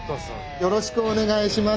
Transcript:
よろしくお願いします。